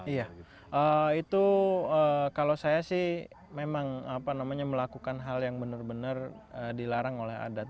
iya itu kalau saya sih memang melakukan hal yang benar benar dilarang oleh adat